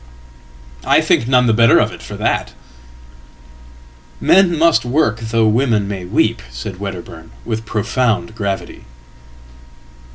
""I think none the better of it for that.""Men must work though women may weep," said Wedderburn with profoundgravity."